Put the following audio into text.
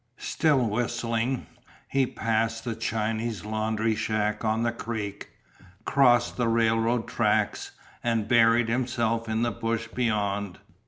Still whistling, he passed the Chinese laundry shack on the creek, crossed the railroad tracks, and buried himself in the bush beyond.